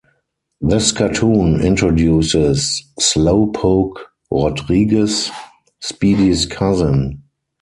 This cartoon introduces Slowpoke Rodriguez, Speedy's cousin.